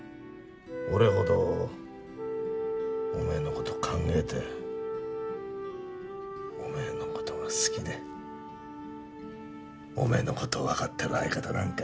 俺ほどおめえの事考えておめえの事が好きでおめえの事をわかってる相方なんか。